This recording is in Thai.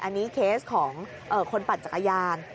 อันนี้เคสของคนปั่นจักรยาน